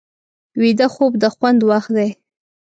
ویده خوب د خوند وخت دی